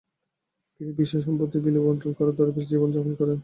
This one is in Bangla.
তিনি বিষয় সম্পত্তি বিলিবণ্টন করে দরবেশ-জীবন যাপন করেন।